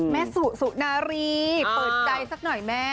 แม่สุสุนารีเปิดใจสักหน่อยแม่